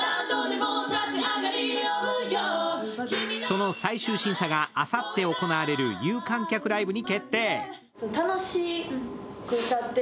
その最終審査があさって行われる有観客ライブに決定。